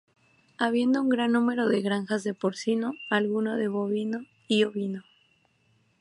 Habiendo un gran número de granjas de porcino, alguno de bovino y ovino.